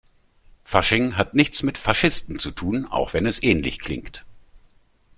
Fasching hat nichts mit Faschisten zu tun, auch wenn es ähnlich klingt.